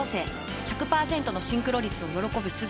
１００％のシンクロ率を喜ぶすず。